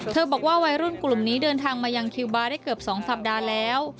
บอกว่าวัยรุ่นกลุ่มนี้เดินทางมายังคิวบาร์ได้เกือบ๒สัปดาห์แล้ว